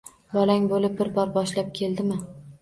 Bolang bulib bir bor boshlab keldimmi